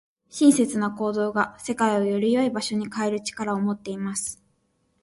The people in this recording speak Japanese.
親切な行動が、世界をより良い場所に変える力を持っています。